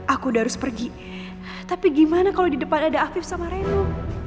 aku udah harus pergi tapi gimana kalau di depan ada afif sama remo